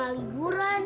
nanti kita bisa berhenti